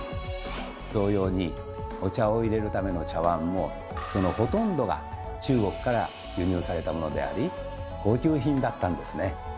同様にお茶をいれるための茶わんもそのほとんどが中国から輸入されたものであり高級品だったんですね。